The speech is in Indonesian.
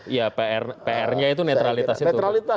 iya pr nya itu netralitas itu